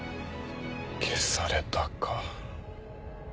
消されたか。